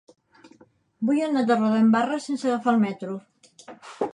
Vull anar a Torredembarra sense agafar el metro.